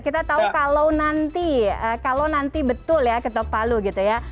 kita tahu kalau nanti kalau nanti betul ya ketok palu gitu ya